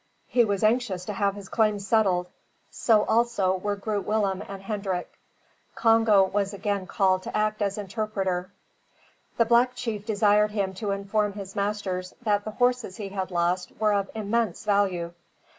He was anxious to have his claim settled; so also were Groot Willem and Hendrik. Congo was again called to act as interpreter. The black chief desired him to inform his masters, that the horses he had lost were of immense value.